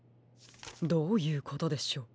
どういうことでしょう？